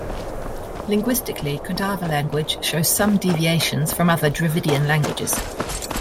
Linguistically, Kodava language shows some deviations from other Dravidian languages.